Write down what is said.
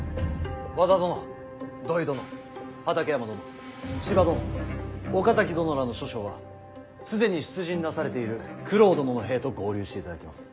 和田殿土肥殿畠山殿千葉殿岡崎殿らの諸将は既に出陣なされている九郎殿の兵と合流していただきます。